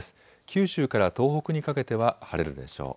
九州から東北にかけては晴れるでしょう。